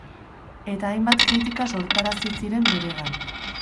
Eta hainbat kritika sortarazi ziren beregan.